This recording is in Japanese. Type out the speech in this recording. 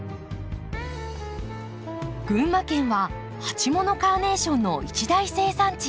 群馬県は鉢物カーネーションの一大生産地。